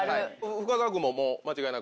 深澤君も間違いなく？